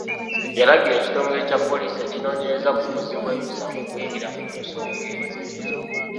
Yalagira ekitongole kya polisi ekinoonyereza ku buzzi bw' emisango okuyingira mu nsonga eno.